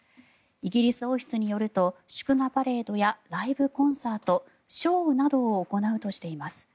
イギリス王室によると祝賀パレードやライブコンサートショーなどを行うとしています。